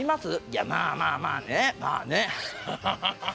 いやまあまあまあねまあね。